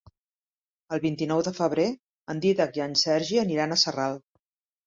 El vint-i-nou de febrer en Dídac i en Sergi aniran a Sarral.